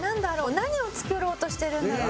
何を作ろうとしてるんだろう？